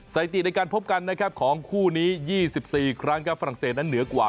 สถิติในการพบกันนะครับของคู่นี้๒๔ครั้งครับฝรั่งเศสนั้นเหนือกว่า